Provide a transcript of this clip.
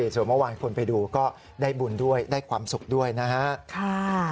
ส่วนเมื่อวานคนไปดูก็ได้บุญด้วยได้ความสุขด้วยนะฮะ